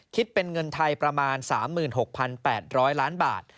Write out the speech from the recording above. คิดเป็นเงินไทยประมาณ๓๖๘๐๐ล้านบาท